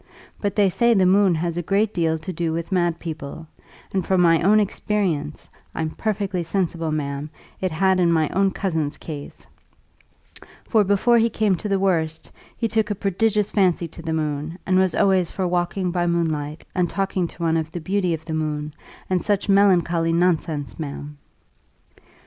But they say the moon has a great deal to do with mad people; and, from my own experience, I'm perfectly sensible, ma'am, it had in my own cousin's case; for, before he came to the worst, he took a prodigious fancy to the moon, and was always for walking by moonlight, and talking to one of the beauty of the moon, and such melancholy nonsense, ma'am."